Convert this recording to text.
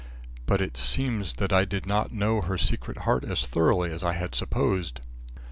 But it seems that I did not know her secret heart as thoroughly as I had supposed.